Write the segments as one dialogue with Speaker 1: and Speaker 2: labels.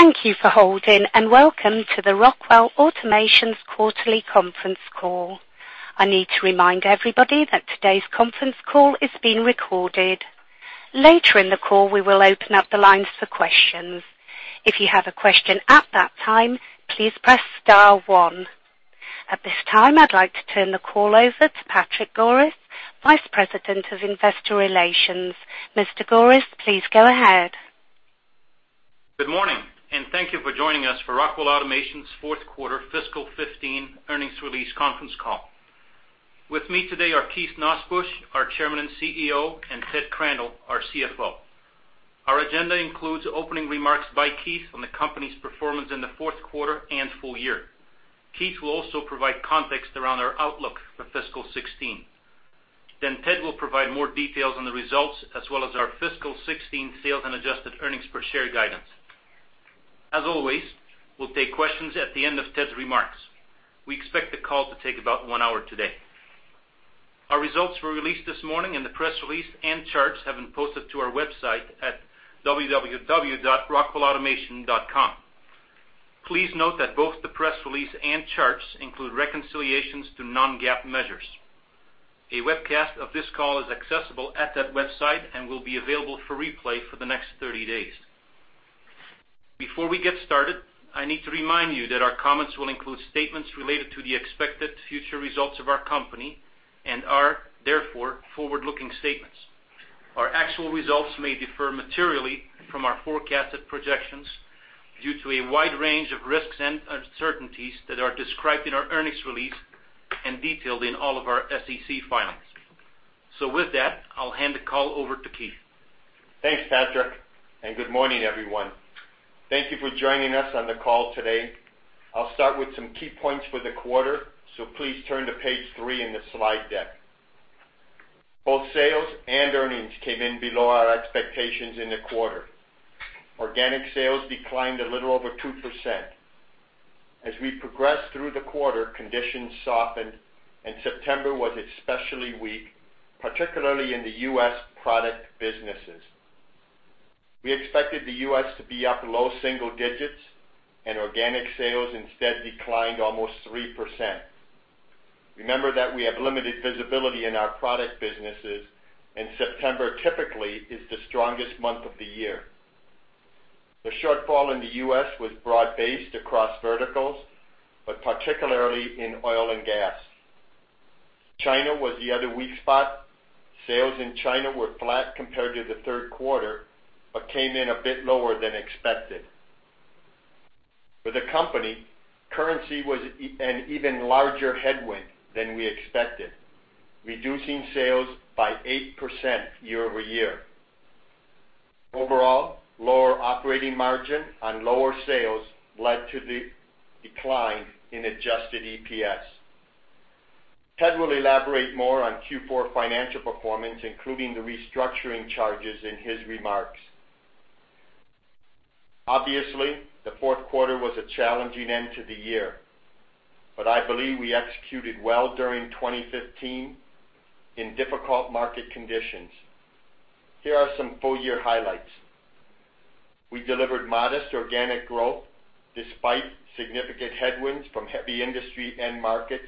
Speaker 1: Thank you for holding. Welcome to the Rockwell Automation quarterly conference call. I need to remind everybody that today's conference call is being recorded. Later in the call, we will open up the lines for questions. If you have a question at that time, please press star one. At this time, I'd like to turn the call over to Patrick Goris, Vice President of Investor Relations. Mr. Goris, please go ahead.
Speaker 2: Good morning. Thank you for joining us for Rockwell Automation's fourth quarter fiscal 2015 earnings release conference call. With me today are Keith Nosbusch, our Chairman and CEO, and Theodore Crandall, our CFO. Our agenda includes opening remarks by Keith on the company's performance in the fourth quarter and full year. Keith will also provide context around our outlook for fiscal 2016. Ted will provide more details on the results, as well as our fiscal 2016 sales and adjusted earnings per share guidance. As always, we'll take questions at the end of Ted's remarks. We expect the call to take about one hour today. Our results were released this morning, and the press release and charts have been posted to our website at www.rockwellautomation.com. Please note that both the press release and charts include reconciliations to non-GAAP measures. A webcast of this call is accessible at that website and will be available for replay for the next 30 days. Before we get started, I need to remind you that our comments will include statements related to the expected future results of our company and are, therefore, forward-looking statements. Our actual results may differ materially from our forecasted projections due to a wide range of risks and uncertainties that are described in our earnings release and detailed in all of our SEC filings. With that, I'll hand the call over to Keith.
Speaker 3: Thanks, Patrick. Good morning, everyone. Thank you for joining us on the call today. I'll start with some key points for the quarter. Please turn to page three in the slide deck. Both sales and earnings came in below our expectations in the quarter. Organic sales declined a little over 2%. As we progressed through the quarter, conditions softened. September was especially weak, particularly in the U.S. product businesses. We expected the U.S. to be up low single digits, and organic sales instead declined almost 3%. Remember that we have limited visibility in our product businesses, and September typically is the strongest month of the year. The shortfall in the U.S. was broad-based across verticals, but particularly in oil and gas. China was the other weak spot. Sales in China were flat compared to the third quarter but came in a bit lower than expected. For the company, currency was an even larger headwind than we expected, reducing sales by 8% year-over-year. Overall, lower operating margin on lower sales led to the decline in adjusted EPS. Ted will elaborate more on Q4 financial performance, including the restructuring charges in his remarks. Obviously, the fourth quarter was a challenging end to the year, but I believe we executed well during 2015 in difficult market conditions. Here are some full-year highlights. We delivered modest organic growth despite significant headwinds from heavy industry end markets,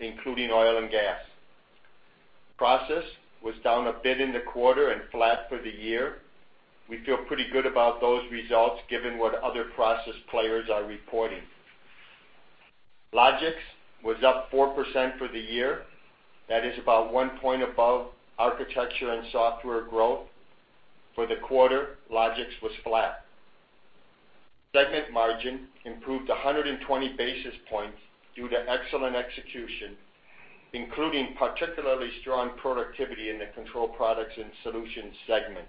Speaker 3: including oil and gas. Process was down a bit in the quarter and flat for the year. We feel pretty good about those results given what other process players are reporting. Logix was up 4% for the year. That is about 1 point above Architecture & Software growth. For the quarter, Logix was flat. Segment margin improved 120 basis points due to excellent execution, including particularly strong productivity in the Control Products & Solutions segment.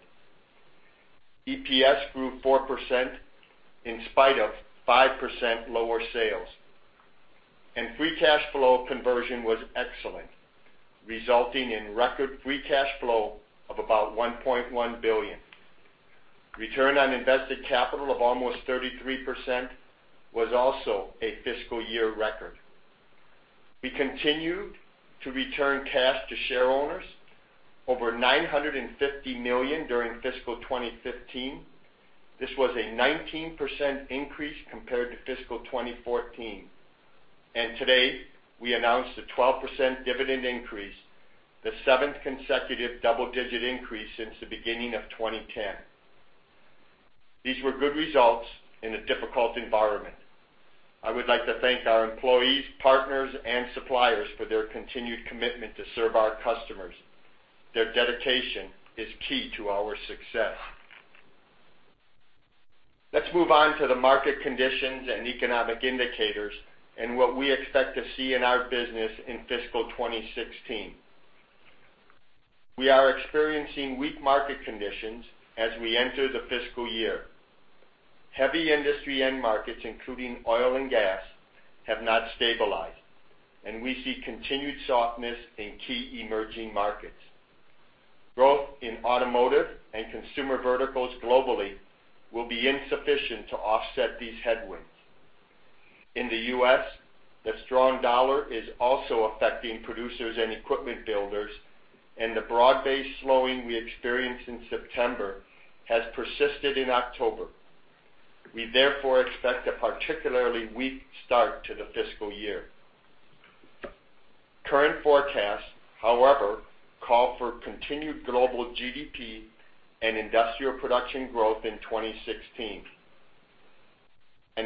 Speaker 3: EPS grew 4% in spite of 5% lower sales, and free cash flow conversion was excellent, resulting in record free cash flow of about $1.1 billion. Return on invested capital of almost 33% was also a fiscal year record. We continued to return cash to shareowners, over $950 million during fiscal 2015. This was a 19% increase compared to fiscal 2014. Today, we announced a 12% dividend increase, the seventh consecutive double-digit increase since the beginning of 2010. These were good results in a difficult environment. I would like to thank our employees, partners, and suppliers for their continued commitment to serve our customers. Their dedication is key to our success. Let's move on to the market conditions and economic indicators and what we expect to see in our business in fiscal 2016. We are experiencing weak market conditions as we enter the fiscal year. Heavy industry end markets, including oil and gas, have not stabilized, and we see continued softness in key emerging markets. Growth in automotive and consumer verticals globally will be insufficient to offset these headwinds. In the U.S., the strong dollar is also affecting producers and equipment builders, and the broad-based slowing we experienced in September has persisted in October. We therefore expect a particularly weak start to the fiscal year. Current forecasts, however, call for continued global GDP and industrial production growth in 2016.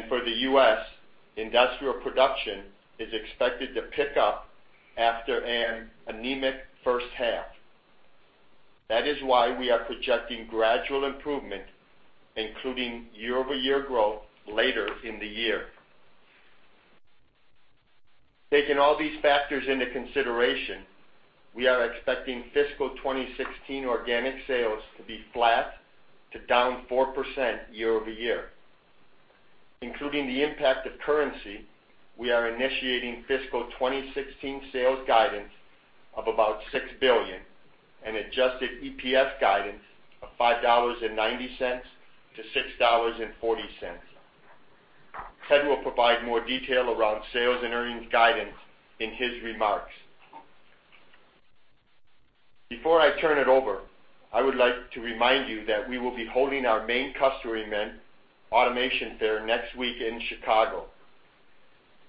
Speaker 3: For the U.S., industrial production is expected to pick up after an anemic first half. That is why we are projecting gradual improvement, including year-over-year growth later in the year. Taking all these factors into consideration, we are expecting fiscal 2016 organic sales to be flat to down 4% year-over-year. Including the impact of currency, we are initiating fiscal 2016 sales guidance of about $6 billion and adjusted EPS guidance of $5.90 to $6.40. Ted will provide more detail around sales and earnings guidance in his remarks. Before I turn it over, I would like to remind you that we will be holding our main customer event, Automation Fair, next week in Chicago.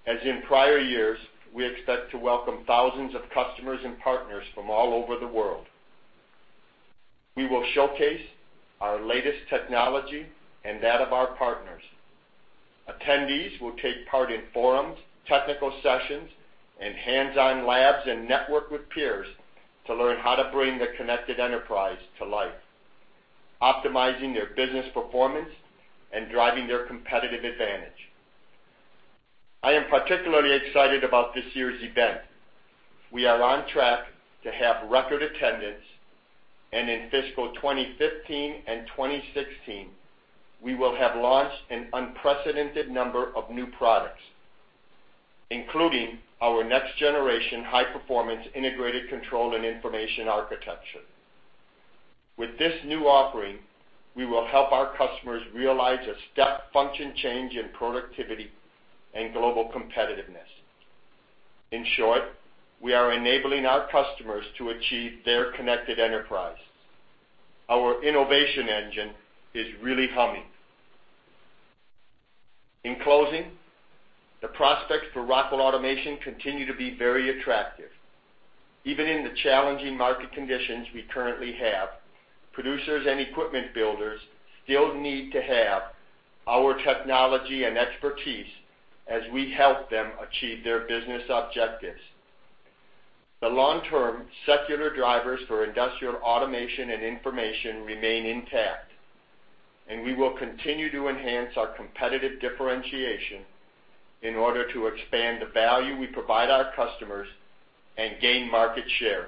Speaker 3: As in prior years, we expect to welcome thousands of customers and partners from all over the world. We will showcase our latest technology and that of our partners. Attendees will take part in forums, technical sessions, and hands-on labs, and network with peers to learn how to bring the Connected Enterprise to life, optimizing their business performance and driving their competitive advantage. I am particularly excited about this year's event. We are on track to have record attendance, and in fiscal 2015 and 2016, we will have launched an unprecedented number of new products, including our next-generation high-performance integrated control and information architecture. With this new offering, we will help our customers realize a step function change in productivity and global competitiveness. In short, we are enabling our customers to achieve their Connected Enterprise. Our innovation engine is really humming. In closing, the prospects for Rockwell Automation continue to be very attractive. Even in the challenging market conditions we currently have, producers and equipment builders still need to have our technology and expertise as we help them achieve their business objectives. The long-term secular drivers for industrial automation and information remain intact. We will continue to enhance our competitive differentiation in order to expand the value we provide our customers and gain market share.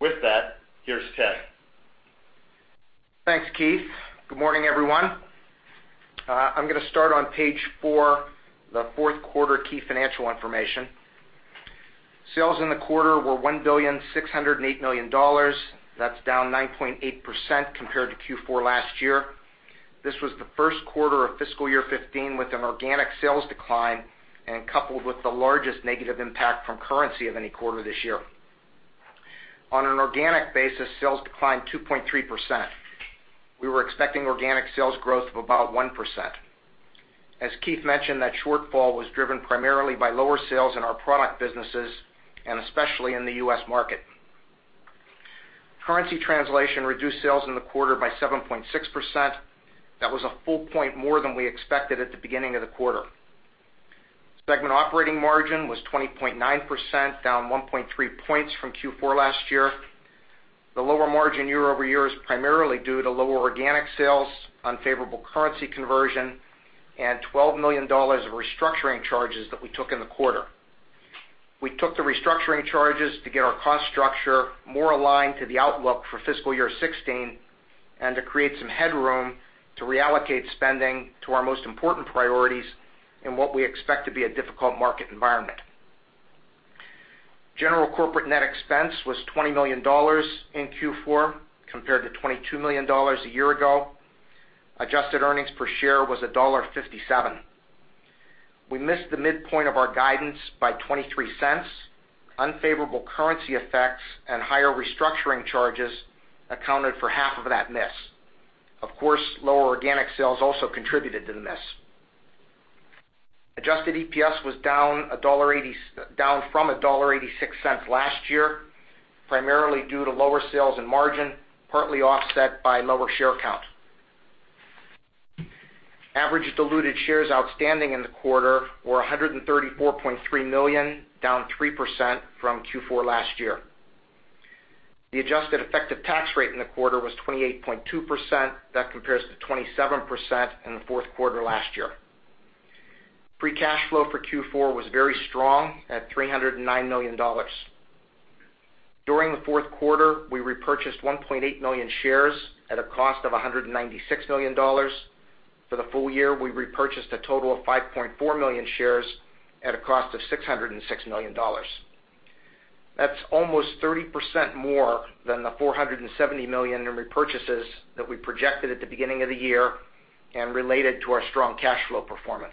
Speaker 3: With that, here's Ted.
Speaker 4: Thanks, Keith. Good morning, everyone. I'm going to start on Page 4, the fourth quarter key financial information. Sales in the quarter were $1,608,000,000. That's down 9.8% compared to Q4 last year. This was the first quarter of fiscal year 2015 with an organic sales decline. Coupled with the largest negative impact from currency of any quarter this year, on an organic basis, sales declined 2.3%. We were expecting organic sales growth of about 1%. As Keith mentioned, that shortfall was driven primarily by lower sales in our product businesses and especially in the U.S. market. Currency translation reduced sales in the quarter by 7.6%. That was a full point more than we expected at the beginning of the quarter. Segment operating margin was 20.9%, down 1.3 points from Q4 last year. The lower margin year-over-year is primarily due to lower organic sales, unfavorable currency conversion, and $12 million of restructuring charges that we took in the quarter. We took the restructuring charges to get our cost structure more aligned to the outlook for fiscal year 2016 and to create some headroom to reallocate spending to our most important priorities in what we expect to be a difficult market environment. General corporate net expense was $20 million in Q4 compared to $22 million a year ago. Adjusted earnings per share was $1.57. We missed the midpoint of our guidance by $0.23. Unfavorable currency effects and higher restructuring charges accounted for half of that miss. Of course, lower organic sales also contributed to the miss. Adjusted EPS was down from $1.86 last year, primarily due to lower sales and margin, partly offset by lower share count. Average diluted shares outstanding in the quarter were 134.3 million, down 3% from Q4 last year. The adjusted effective tax rate in the quarter was 28.2%. That compares to 27% in the fourth quarter last year. Free cash flow for Q4 was very strong at $309 million. During the fourth quarter, we repurchased 1.8 million shares at a cost of $196 million. For the full year, we repurchased a total of 5.4 million shares at a cost of $606 million. That's almost 30% more than the $470 million in repurchases that we projected at the beginning of the year and related to our strong cash flow performance.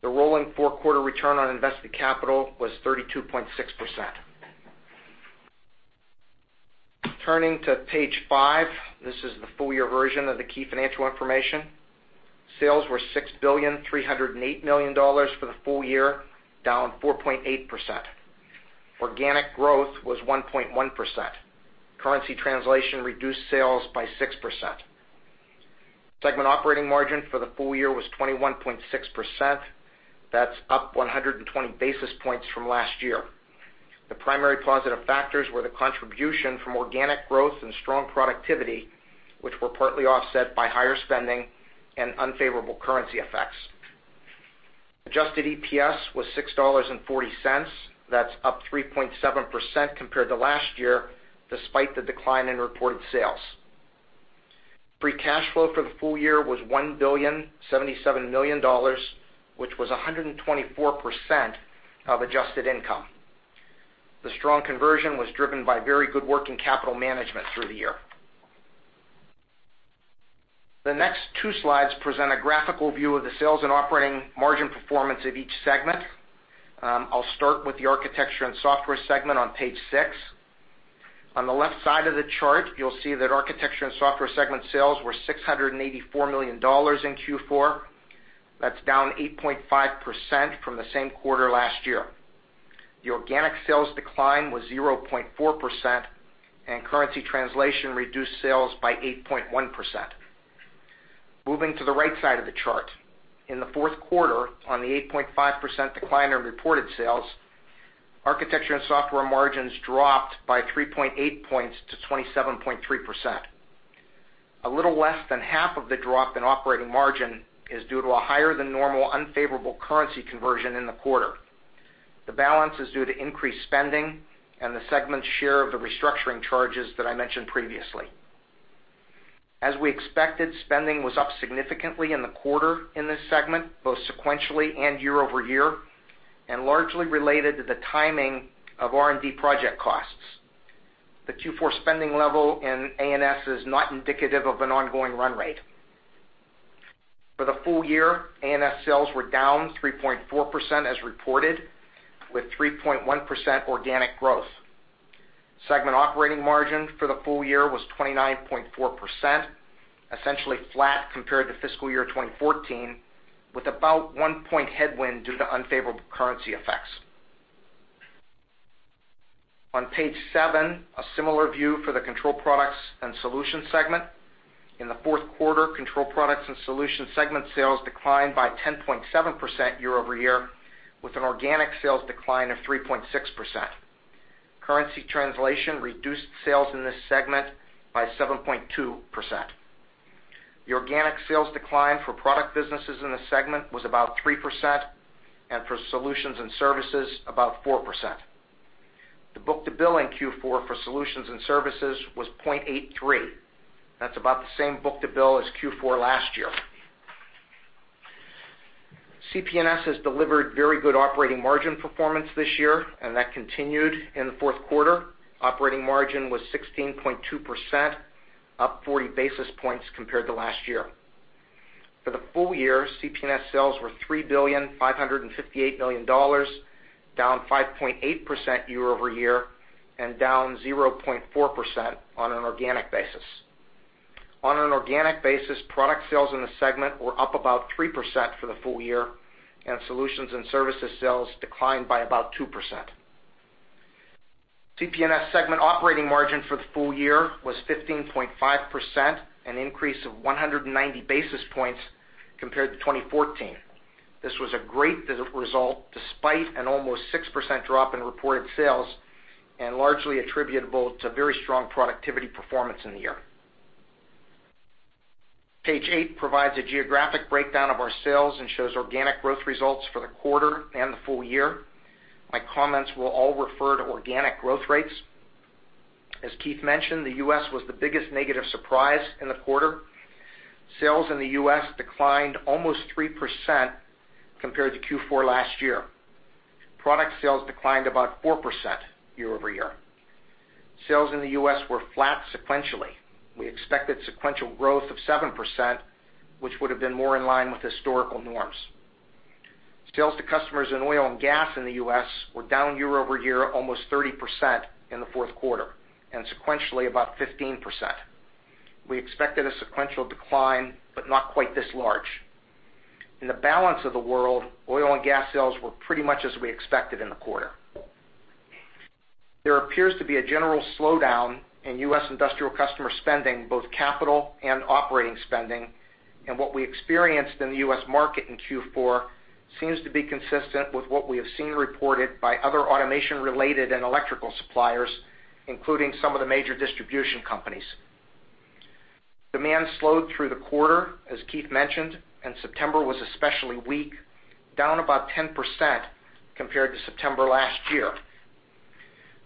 Speaker 4: The rolling four-quarter return on invested capital was 32.6%. Turning to page five, this is the full year version of the key financial information. Sales were $6,308,000,000 for the full year, down 4.8%. Organic growth was 1.1%. Currency translation reduced sales by 6%. Segment operating margin for the full year was 21.6%. That's up 120 basis points from last year. The primary positive factors were the contribution from organic growth and strong productivity, which were partly offset by higher spending and unfavorable currency effects. Adjusted EPS was $6.40. That's up 3.7% compared to last year, despite the decline in reported sales. Free cash flow for the full year was $1,077,000,000, which was 124% of adjusted income. The strong conversion was driven by very good working capital management through the year. The next two slides present a graphical view of the sales and operating margin performance of each segment. I'll start with the Architecture & Software segment on page six. On the left side of the chart, you'll see that Architecture & Software segment sales were $684 million in Q4. That's down 8.5% from the same quarter last year. The organic sales decline was 0.4%, and currency translation reduced sales by 8.1%. Moving to the right side of the chart. In the fourth quarter, on the 8.5% decline in reported sales, Architecture & Software margins dropped by 3.8 points to 27.3%. A little less than half of the drop in operating margin is due to a higher than normal unfavorable currency conversion in the quarter. The balance is due to increased spending and the segment's share of the restructuring charges that I mentioned previously. As we expected, spending was up significantly in the quarter in this segment, both sequentially and year-over-year, and largely related to the timing of R&D project costs. The Q4 spending level in A&S is not indicative of an ongoing run rate. For the full year, A&S sales were down 3.4% as reported, with 3.1% organic growth. Segment operating margin for the full year was 29.4%, essentially flat compared to fiscal year 2014, with about one point headwind due to unfavorable currency effects. On page seven, a similar view for the Control Products & Solutions segment. In the fourth quarter, Control Products & Solutions segment sales declined by 10.7% year-over-year, with an organic sales decline of 3.6%. Currency translation reduced sales in this segment by 7.2%. The organic sales decline for product businesses in the segment was about 3%, and for solutions and services, about 4%. The book-to-bill in Q4 for solutions and services was 0.83. That's about the same book-to-bill as Q4 last year. CP&S has delivered very good operating margin performance this year, and that continued in the fourth quarter. Operating margin was 16.2%, up 40 basis points compared to last year. For the full year, CP&S sales were $3,558,000,000, down 5.8% year-over-year and down 0.4% on an organic basis. On an organic basis, product sales in the segment were up about 3% for the full year, and solutions and services sales declined by about 2%. CP&S segment operating margin for the full year was 15.5%, an increase of 190 basis points compared to 2014. This was a great result despite an almost 6% drop in reported sales and largely attributable to very strong productivity performance in the year. Page eight provides a geographic breakdown of our sales and shows organic growth results for the quarter and the full year. My comments will all refer to organic growth rates. As Keith mentioned, the U.S. was the biggest negative surprise in the quarter. Sales in the U.S. declined almost 3% compared to Q4 last year. Product sales declined about 4% year-over-year. Sales in the U.S. were flat sequentially. We expected sequential growth of 7%, which would have been more in line with historical norms. Sales to customers in oil and gas in the U.S. were down year-over-year almost 30% in the fourth quarter, and sequentially about 15%. We expected a sequential decline, but not quite this large. In the balance of the world, oil and gas sales were pretty much as we expected in the quarter. There appears to be a general slowdown in U.S. industrial customer spending, both capital and operating spending, and what we experienced in the U.S. market in Q4 seems to be consistent with what we have seen reported by other automation-related and electrical suppliers, including some of the major distribution companies. Demand slowed through the quarter, as Keith mentioned, September was especially weak, down about 10% compared to September last year.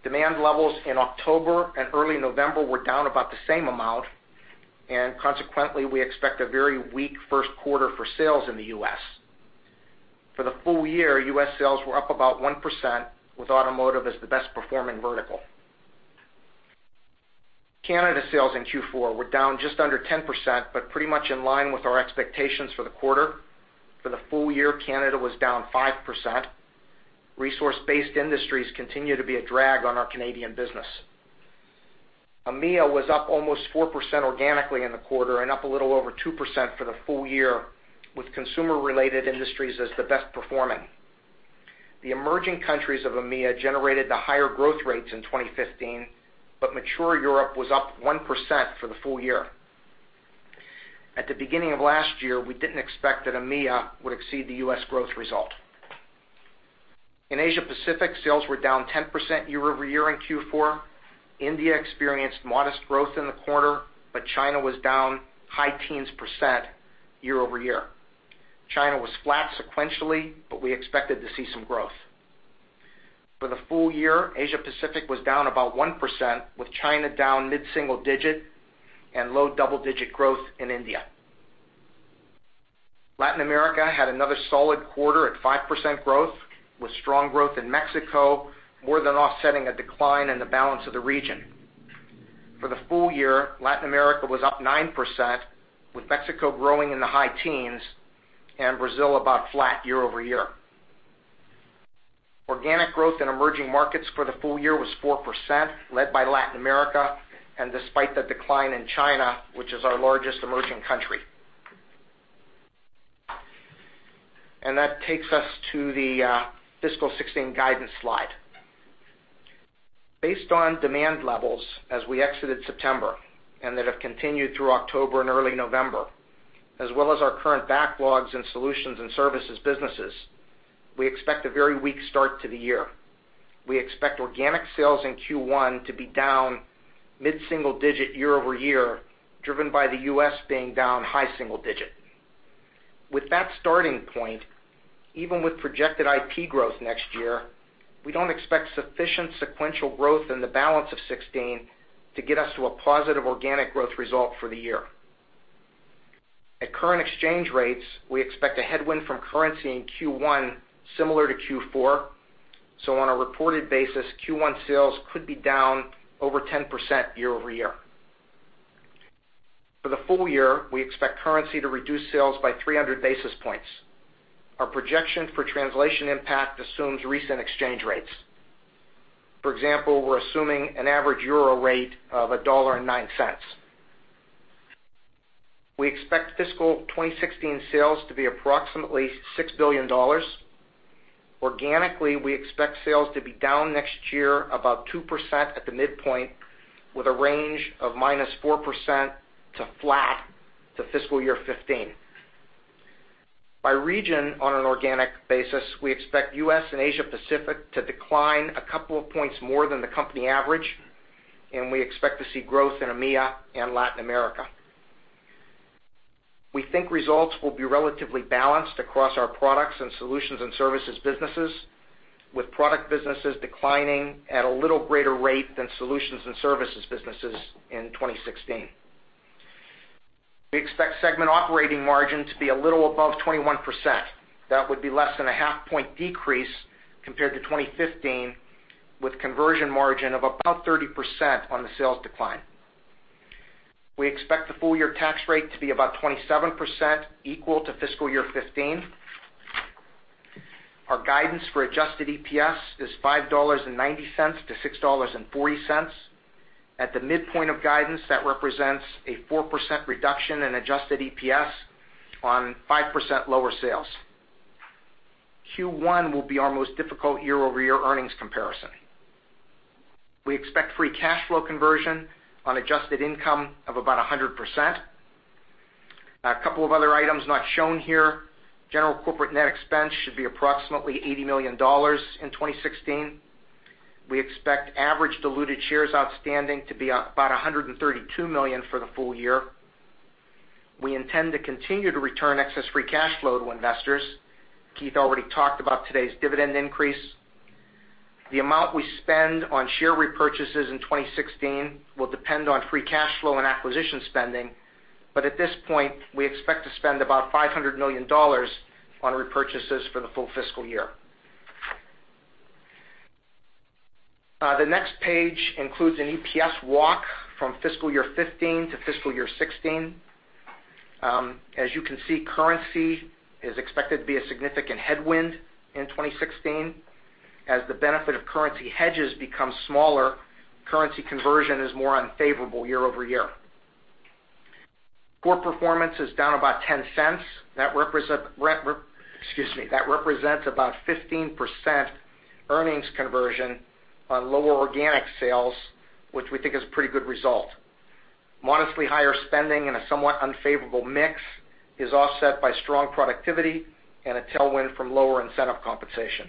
Speaker 4: Demand levels in October and early November were down about the same amount. Consequently, we expect a very weak first quarter for sales in the U.S. For the full year, U.S. sales were up about 1%, with automotive as the best-performing vertical. Canada sales in Q4 were down just under 10%, but pretty much in line with our expectations for the quarter. For the full year, Canada was down 5%. Resource-based industries continue to be a drag on our Canadian business. EMEA was up almost 4% organically in the quarter and up a little over 2% for the full year, with consumer-related industries as the best performing. The emerging countries of EMEA generated the higher growth rates in 2015, but mature Europe was up 1% for the full year. At the beginning of last year, we didn't expect that EMEA would exceed the U.S. growth result. In Asia Pacific, sales were down 10% year-over-year in Q4. India experienced modest growth in the quarter, but China was down high teens percent year-over-year. China was flat sequentially, but we expected to see some growth. For the full year, Asia Pacific was down about 1%, with China down mid-single digit and low double-digit growth in India. Latin America had another solid quarter at 5% growth, with strong growth in Mexico more than offsetting a decline in the balance of the region. For the full year, Latin America was up 9%, with Mexico growing in the high teens and Brazil about flat year-over-year. Organic growth in emerging markets for the full year was 4%, led by Latin America, despite the decline in China, which is our largest emerging country. That takes us to the fiscal 2016 guidance slide. Based on demand levels as we exited September and that have continued through October and early November, as well as our current backlogs in solutions and services businesses, we expect a very weak start to the year. We expect organic sales in Q1 to be down mid-single digit year-over-year, driven by the U.S. being down high single digit. With that starting point, even with projected IP growth next year, we don't expect sufficient sequential growth in the balance of 2016 to get us to a positive organic growth result for the year. At current exchange rates, we expect a headwind from currency in Q1 similar to Q4. On a reported basis, Q1 sales could be down over 10% year-over-year. For the full year, we expect currency to reduce sales by 300 basis points. Our projection for translation impact assumes recent exchange rates. For example, we're assuming an average euro rate of $1.09. We expect fiscal 2016 sales to be approximately $6 billion. Organically, we expect sales to be down next year about 2% at the midpoint, with a range of -4% to flat to fiscal year 2015. By region, on an organic basis, we expect U.S. and Asia Pacific to decline a couple of points more than the company average. We expect to see growth in EMEA and Latin America. We think results will be relatively balanced across our products and solutions and services businesses, with product businesses declining at a little greater rate than solutions and services businesses in 2016. We expect segment operating margin to be a little above 21%. That would be less than a half point decrease compared to 2015, with conversion margin of about 30% on the sales decline. We expect the full-year tax rate to be about 27%, equal to fiscal year 2015. Our guidance for adjusted EPS is $5.90 to $6.40. At the midpoint of guidance, that represents a 4% reduction in adjusted EPS on 5% lower sales. Q1 will be our most difficult year-over-year earnings comparison. We expect free cash flow conversion on adjusted income of about 100%. A couple of other items not shown here. General corporate net expense should be approximately $80 million in 2016. We expect average diluted shares outstanding to be about 132 million for the full year. We intend to continue to return excess free cash flow to investors. Keith already talked about today's dividend increase. The amount we spend on share repurchases in 2016 will depend on free cash flow and acquisition spending. At this point, we expect to spend about $500 million on repurchases for the full fiscal year. The next page includes an EPS walk from fiscal year 2015 to fiscal year 2016. As you can see, currency is expected to be a significant headwind in 2016. As the benefit of currency hedges becomes smaller, currency conversion is more unfavorable year-over-year. Core performance is down about $0.10. That represents about 15% earnings conversion on lower organic sales, which we think is a pretty good result. Modestly higher spending and a somewhat unfavorable mix is offset by strong productivity and a tailwind from lower incentive compensation.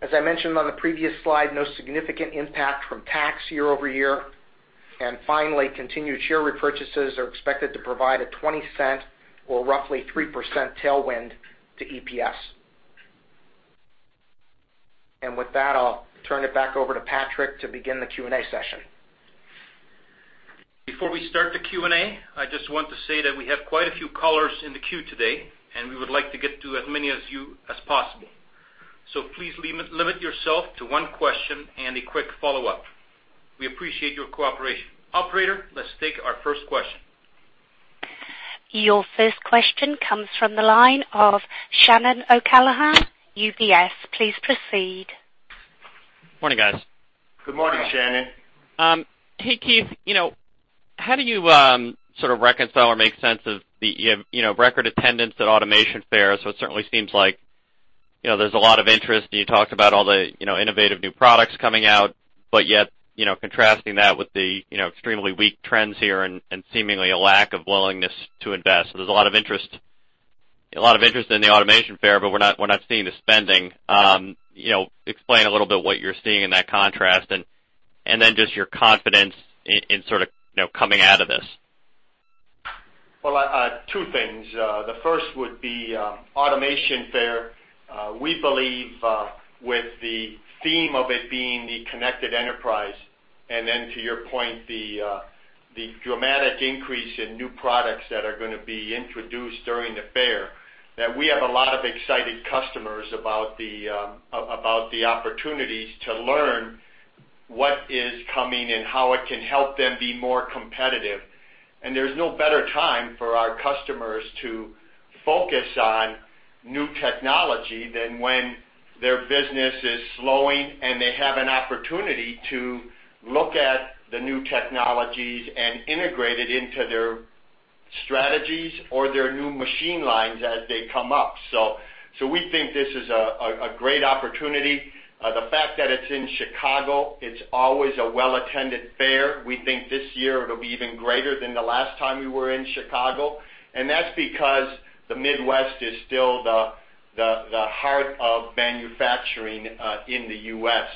Speaker 4: As I mentioned on the previous slide, no significant impact from tax year-over-year. Finally, continued share repurchases are expected to provide a $0.20 or roughly 3% tailwind to EPS.
Speaker 3: With that, I'll turn it back over to Patrick to begin the Q&A session.
Speaker 2: Before we start the Q&A, I just want to say that we have quite a few callers in the queue today, we would like to get to as many as you as possible. Please limit yourself to one question and a quick follow-up. We appreciate your cooperation. Operator, let's take our first question.
Speaker 1: Your first question comes from the line of Shannon O'Callaghan, UBS. Please proceed.
Speaker 5: Morning, guys.
Speaker 3: Good morning, Shannon.
Speaker 5: Hey, Keith. How do you sort of reconcile or make sense of the record attendance at Automation Fair? It certainly seems like there's a lot of interest, and you talked about all the innovative new products coming out, yet, contrasting that with the extremely weak trends here and seemingly a lack of willingness to invest. There's a lot of interest in the Automation Fair, but we're not seeing the spending. Explain a little bit what you're seeing in that contrast, and then just your confidence in sort of coming out of this.
Speaker 3: Well, two things. The first would be Automation Fair, we believe, with the theme of it being the Connected Enterprise, and then to your point, the dramatic increase in new products that are going to be introduced during the fair, that we have a lot of excited customers about the opportunities to learn what is coming and how it can help them be more competitive. There's no better time for our customers to focus on new technology than when their business is slowing, and they have an opportunity to look at the new technologies and integrate it into their strategies or their new machine lines as they come up. We think this is a great opportunity. The fact that it's in Chicago, it's always a well-attended fair. We think this year it'll be even greater than the last time we were in Chicago. That's because the Midwest is still the heart of manufacturing in the U.S.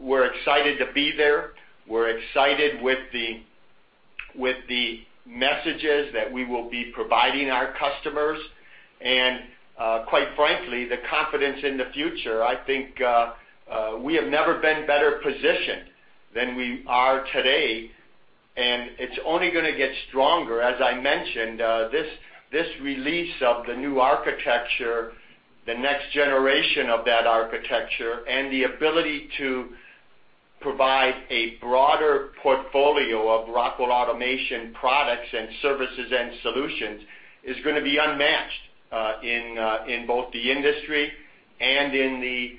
Speaker 3: We're excited to be there. We're excited with the messages that we will be providing our customers and, quite frankly, the confidence in the future. I think we have never been better positioned than we are today, and it's only going to get stronger. As I mentioned, this release of the new architecture, the next generation of that architecture, and the ability to provide a broader portfolio of Rockwell Automation products and services and solutions is going to be unmatched in both the industry and in the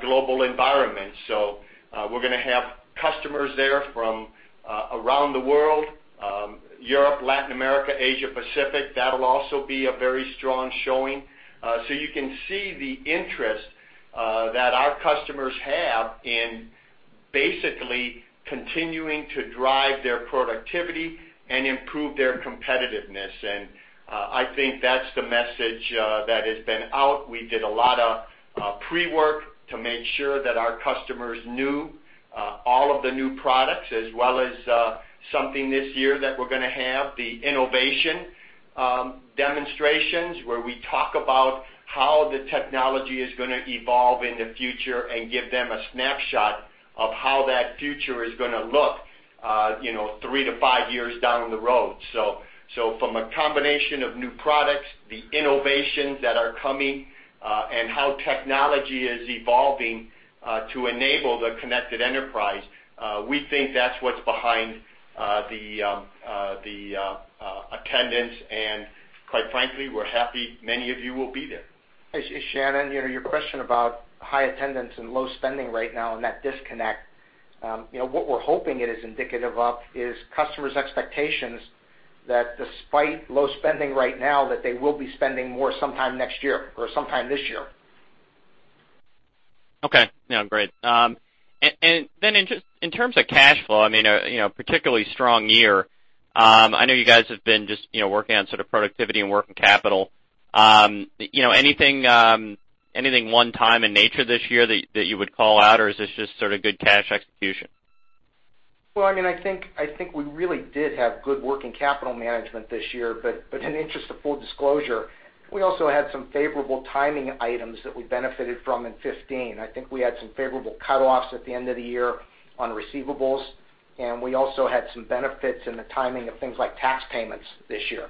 Speaker 3: global environment. We're going to have customers there from around the world, Europe, Latin America, Asia Pacific. That'll also be a very strong showing. You can see the interest that our customers have in basically continuing to drive their productivity and improve their competitiveness, and I think that's the message that has been out. We did a lot of pre-work to make sure that our customers knew all of the new products as well as something this year that we're going to have, the innovation demonstrations, where we talk about how the technology is going to evolve in the future and give them a snapshot of how that future is going to look three to five years down the road. From a combination of new products, the innovations that are coming, and how technology is evolving to enable the Connected Enterprise, we think that's what's behind the attendance, and quite frankly, we're happy many of you will be there. Hey, Shannon, your question about high attendance and low spending right now and that disconnect. What we're hoping it is indicative of is customers' expectations that despite low spending right now, that they will be spending more sometime next year or sometime this year.
Speaker 5: Okay. No, great. Then in terms of cash flow, particularly strong year. I know you guys have been just working on sort of productivity and working capital. Anything one-time in nature this year that you would call out, or is this just sort of good cash execution?
Speaker 4: Well, I think we really did have good working capital management this year, but in the interest of full disclosure, we also had some favorable timing items that we benefited from in 2015. I think we had some favorable cut-offs at the end of the year on receivables, and we also had some benefits in the timing of things like tax payments this year.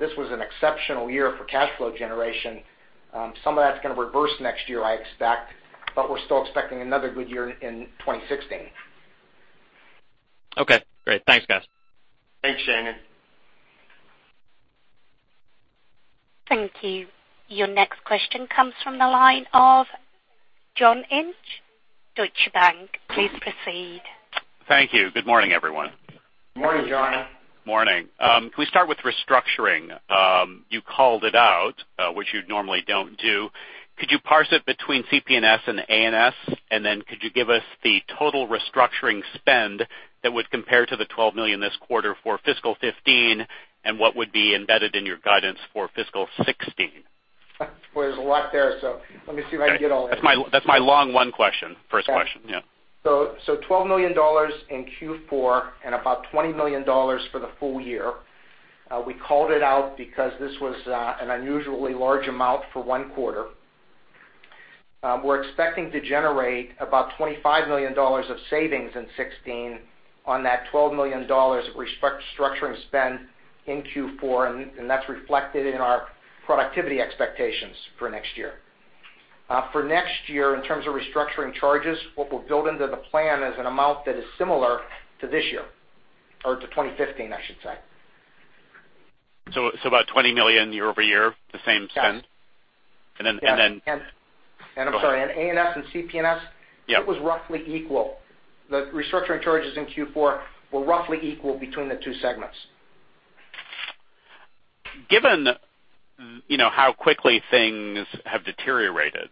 Speaker 4: This was an exceptional year for cash flow generation. Some of that's going to reverse next year, I expect, but we're still expecting another good year in 2016.
Speaker 5: Okay, great. Thanks, guys.
Speaker 3: Thanks, Shannon.
Speaker 1: Thank you. Your next question comes from the line of John Inch, Deutsche Bank. Please proceed.
Speaker 6: Thank you. Good morning, everyone.
Speaker 3: Morning, John.
Speaker 6: Morning. Can we start with restructuring? You called it out, which you normally don't do. Could you parse it between CP&S and A&S? Then could you give us the total restructuring spend that would compare to the $12 million this quarter for fiscal 2015, and what would be embedded in your guidance for fiscal 2016?
Speaker 3: Well, there's a lot there, so let me see if I can get all in.
Speaker 6: That's my long one question, first question, yeah.
Speaker 3: $12 million in Q4 and about $20 million for the full year.
Speaker 4: We called it out because this was an unusually large amount for one quarter. We're expecting to generate about $25 million of savings in 2016 on that $12 million of restructuring spend in Q4, and that's reflected in our productivity expectations for next year. For next year, in terms of restructuring charges, what we'll build into the plan is an amount that is similar to this year or to 2015, I should say.
Speaker 6: About $20 million year-over-year, the same spend?
Speaker 4: Yes.
Speaker 6: And then-
Speaker 4: I'm sorry, and A&S and CP&S-
Speaker 6: Yeah
Speaker 4: it was roughly equal. The restructuring charges in Q4 were roughly equal between the two segments.
Speaker 6: Given how quickly things have deteriorated,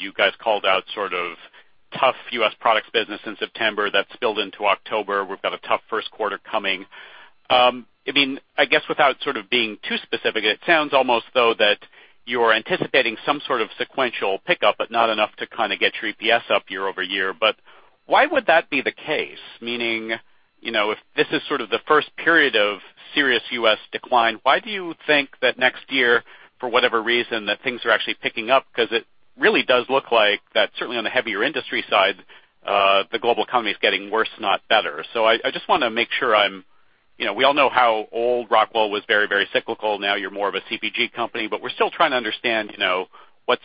Speaker 6: you guys called out sort of tough U.S. products business in September that spilled into October. We've got a tough first quarter coming. I guess without sort of being too specific, it sounds almost, though, that you are anticipating some sort of sequential pickup, but not enough to kind of get your EPS up year-over-year. Why would that be the case? Meaning, if this is sort of the first period of serious U.S. decline, why do you think that next year, for whatever reason, that things are actually picking up? It really does look like that certainly on the heavier industry side, the global economy is getting worse, not better. I just want to make sure. We all know how old Rockwell was very, very cyclical. Now you're more of a CPG company, but we're still trying to understand what's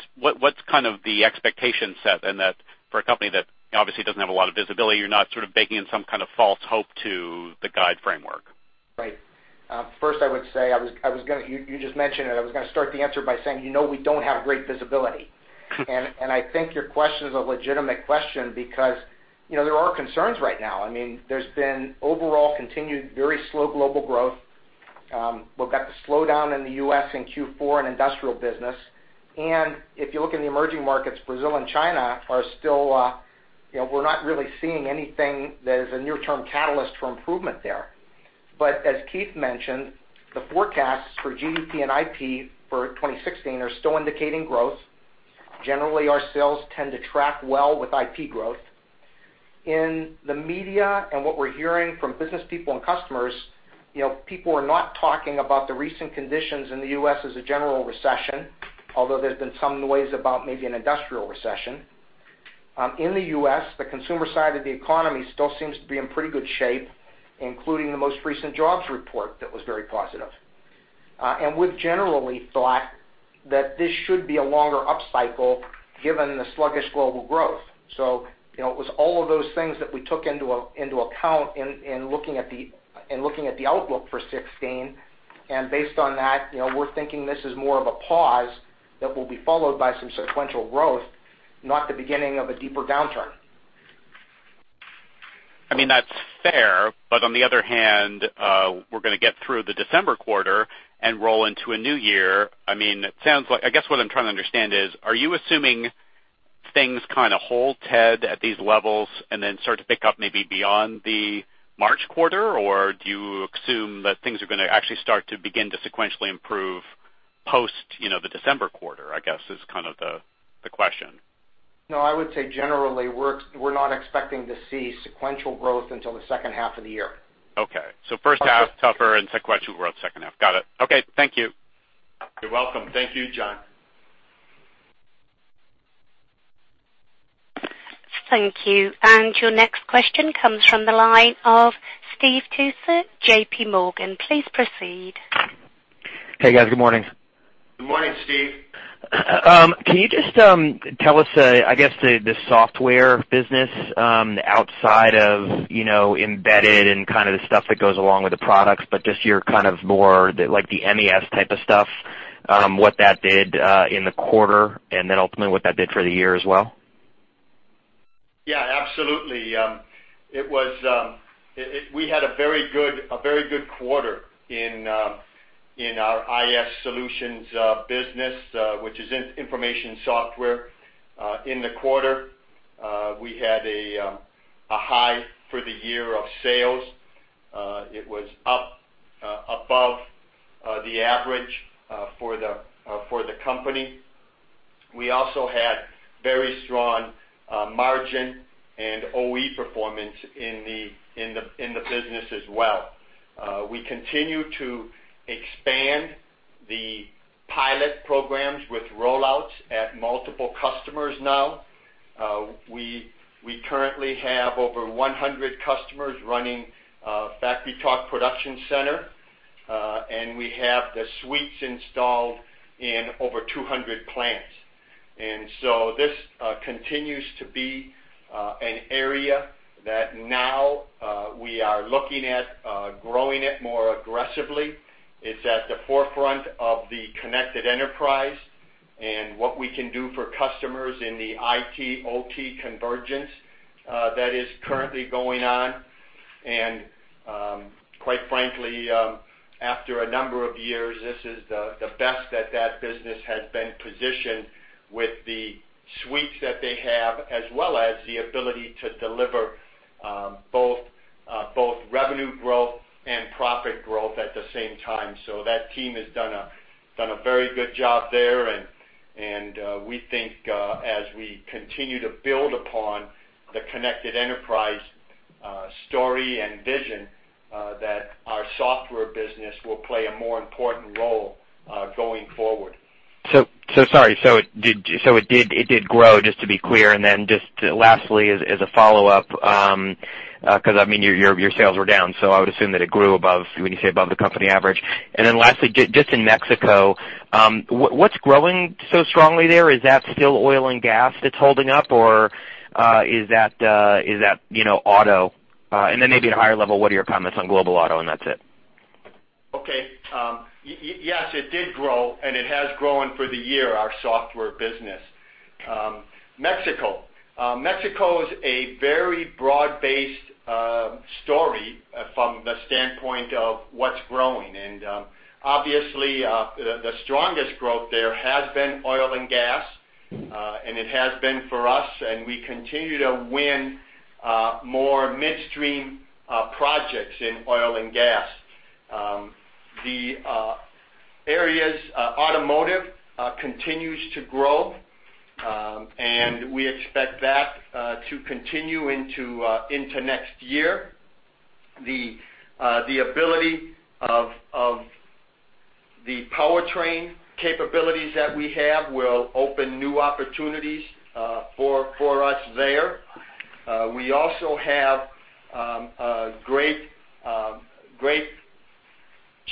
Speaker 6: kind of the expectation set for a company that obviously doesn't have a lot of visibility, you're not sort of baking in some kind of false hope to the guide framework.
Speaker 4: Right. First I would say, you just mentioned it, I was going to start the answer by saying, we don't have great visibility. I think your question is a legitimate question because there are concerns right now. There's been overall continued very slow global growth. We've got the slowdown in the U.S. in Q4 in industrial business. If you look in the emerging markets, Brazil and China are still, we're not really seeing anything that is a near-term catalyst for improvement there. As Keith mentioned, the forecasts for GDP and IP for 2016 are still indicating growth. Generally, our sales tend to track well with IP growth. In the media and what we're hearing from business people and customers, people are not talking about the recent conditions in the U.S. as a general recession, although there's been some noise about maybe an industrial recession. In the U.S., the consumer side of the economy still seems to be in pretty good shape, including the most recent jobs report that was very positive. We've generally thought that this should be a longer upcycle given the sluggish global growth. It was all of those things that we took into account in looking at the outlook for 2016. Based on that, we're thinking this is more of a pause that will be followed by some sequential growth, not the beginning of a deeper downturn.
Speaker 6: That's fair. On the other hand, we're going to get through the December quarter and roll into a new year. I guess what I'm trying to understand is, are you assuming things kind of hold Ted at these levels and then start to pick up maybe beyond the March quarter? Do you assume that things are going to actually start to begin to sequentially improve post the December quarter, I guess, is kind of the question.
Speaker 4: No, I would say generally, we're not expecting to see sequential growth until the second half of the year.
Speaker 6: Okay. First half, tougher and sequential growth second half. Got it. Okay. Thank you.
Speaker 4: You're welcome. Thank you, John.
Speaker 1: Thank you. Your next question comes from the line of Steve Tusa, JPMorgan. Please proceed.
Speaker 7: Hey, guys. Good morning.
Speaker 4: Good morning, Steve.
Speaker 7: Can you just tell us, I guess, the software business, outside of embedded and kind of the stuff that goes along with the products, but just your kind of more like the MES type of stuff, what that did in the quarter, and then ultimately what that did for the year as well?
Speaker 4: Yeah, absolutely. We had a very good quarter in our IS solutions business, which is Information Software. In the quarter, we had a high for the year of sales. It was up above the average for the company. We also had very strong margin and OE performance in the business as well. We continue to expand the pilot programs with rollouts at multiple customers now. We currently have over 100 customers running FactoryTalk ProductionCentre, and we have the suites installed in over 200 plants. This continues to be an area that now we are looking at growing it more aggressively. It's at the forefront of the Connected Enterprise and what we can do for customers in the IT/OT convergence that is currently going on. Quite frankly, after a number of years, this is the best that that business has been positioned with the suites that they have, as well as the ability to deliver both revenue growth and profit growth at the same time. That team has done a very good job there and
Speaker 3: We think as we continue to build upon the Connected Enterprise story and vision, that our software business will play a more important role going forward.
Speaker 7: So sorry. It did grow, just to be clear. Just lastly, as a follow-up, because your sales were down, so I would assume that it grew above when you say above the company average. Lastly, just in Mexico, what's growing so strongly there? Is that still oil and gas that's holding up or is that auto? Maybe at a higher level, what are your comments on global auto? That's it.
Speaker 3: Okay. Yes, it did grow, and it has grown for the year, our software business. Mexico. Mexico is a very broad-based story from the standpoint of what's growing. Obviously, the strongest growth there has been oil and gas, and it has been for us, and we continue to win more midstream projects in oil and gas. The areas automotive continues to grow, and we expect that to continue into next year. The ability of the powertrain capabilities that we have will open new opportunities for us there. We also have great